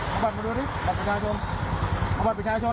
เอาบัตรประชาชน